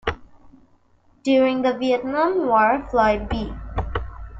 During the Vietnam War, Floyd B.